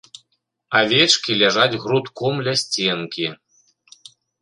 Авечкі ляжаць грудком ля сценкі.